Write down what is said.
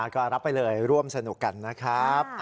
ก็รับไปเลยร่วมสนุกกันนะครับ